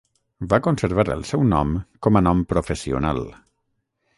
Va conservar el seu nom com a nom professional.